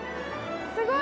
すごい。